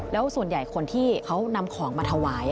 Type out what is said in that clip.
แล้วส่วนใหญ่คนที่เขานำของมาถวาย